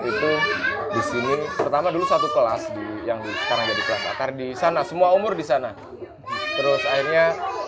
itu disini pertama dulu satu kelas yang disana semua umur di sana terus akhirnya